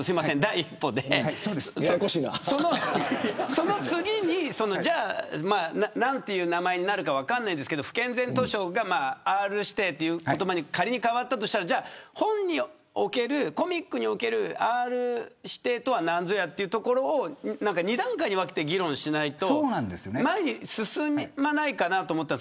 その次になんという名前になるか分かりませんがＲ指定という言葉に仮に変わったとしたらコミックにおけるＲ指定とは何ぞやというところを２段階に分けて議論しないと前に進まないかなと思いました。